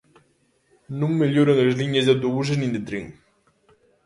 Non melloran as liñas de autobuses nin de tren.